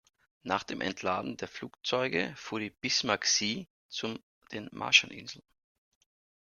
Nach dem Entladen der Flugzeuge fuhr die "Bismarck Sea" zu den Marshallinseln.